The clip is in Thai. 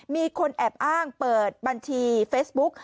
มีคนแอบอ้างเปิดบัญชีเฟซบุ๊ก